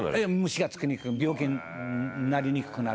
「虫がつきにくく病気になりにくくなるという」